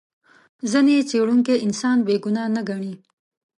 ځینې څېړونکي انسان بې ګناه نه ګڼي.